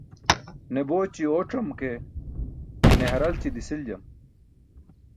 Ne booći ooc̣am ke, ne haralći disiljam.